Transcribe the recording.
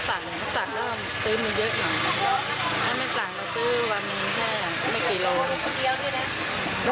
ครั้งแรกอ่ะคิดที่แล้วคำว่านานนี้กี่ปีค่ะ